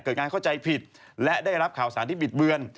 การเข้าใจผิดและได้รับข่าวสารที่บิดเบือน